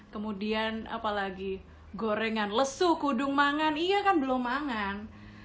kemudian apalagi gorengan lesu kudung mangan iya kan belum mangan